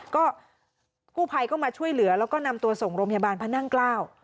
ก็กู้ภัยก็มาช่วยเหลือแล้วก็นำตัวส่งโรงพยาบาลพระนั่งเกล้า